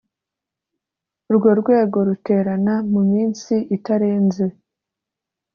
urwo rwego ruterana mu minsi itarenze